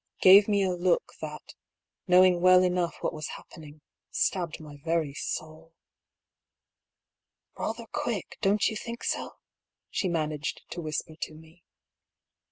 gave me a look that, knowing well enough what was happening, stabbed my very souL " Bather quick, don't you think so ?" she managed to whisper to me.